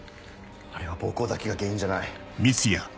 あれは暴行だけが原因じゃない。